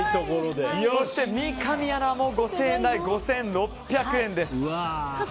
そして三上アナも５０００円台５６００円です。